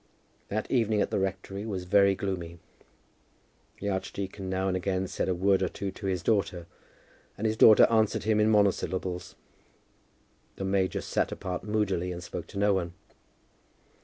That evening at the rectory was very gloomy. The archdeacon now and again said a word or two to his daughter, and his daughter answered him in monosyllables. The major sat apart moodily, and spoke to no one.